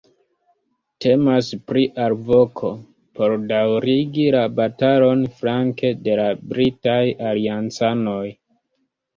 Temas pri alvoko por daŭrigi la batalon flanke de la britaj aliancanoj.